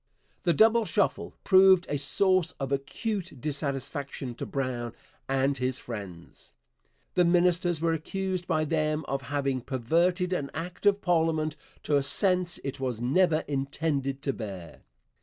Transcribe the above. The 'Double Shuffle' proved a source of acute dissatisfaction to Brown and his friends. The ministers were accused by them of having perverted an Act of Parliament to a sense it was never intended to bear.